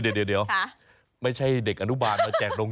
ก็๕ดาวตอนเรียนอนุมบาง